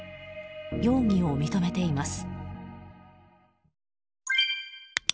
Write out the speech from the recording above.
容疑を認めています。